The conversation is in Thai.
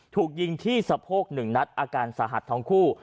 ถูกยิงที่สะโพก๑นัดอาการสาหัสทั้งคู่